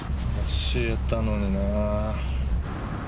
教えたのにな。